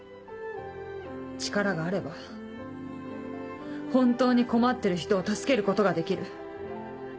力があれば本当に困ってる人を助けることができる。